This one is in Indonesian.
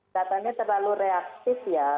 katanya terlalu reaksif ya